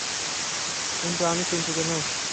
কিন্তু আমি চিন্তিত নই।